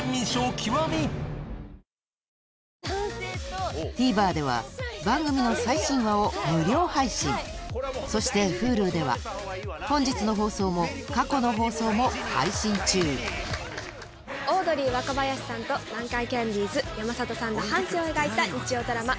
続くＴＶｅｒでは番組の最新話を無料配信そしてＨｕｌｕでは本日の放送も過去の放送も配信中オードリー・若林さんと南海キャンディーズ・山里さんの半生を描いた日曜ドラマ『